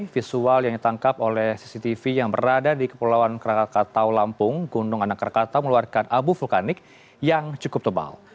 visual yang ditangkap oleh cctv yang berada di kepulauan krakatau lampung gunung anak rakatau mengeluarkan abu vulkanik yang cukup tebal